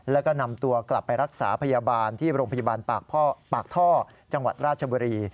แล้วก็นำตัวกลับไปรักษาพยาบาลที่โรงพยาบาลปากท่อจังหวัดราชบุรี